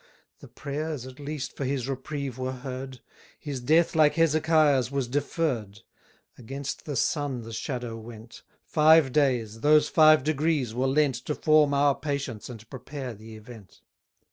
The prayers, at least, for his reprieve were heard; His death, like Hezekiah's, was deferr'd: Against the sun the shadow went; Five days, those five degrees, were lent To form our patience and prepare the event.